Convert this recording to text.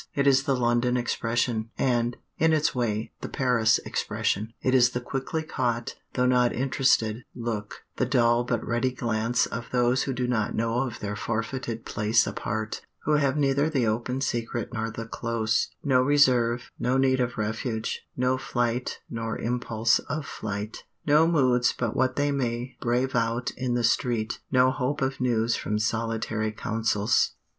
It is the London expression, and, in its way, the Paris expression. It is the quickly caught, though not interested, look, the dull but ready glance of those who do not know of their forfeited place apart; who have neither the open secret nor the close; no reserve, no need of refuge, no flight nor impulse of flight; no moods but what they may brave out in the street, no hope of news from solitary counsels.